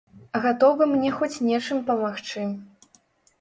Гатовы мне хоць нечым памагчы.